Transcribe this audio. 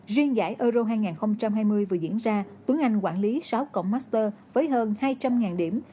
riêng giải euro hai nghìn hai mươi vừa diễn ra tuấn anh quản lý sáu cổng master với hơn hai trăm linh điểm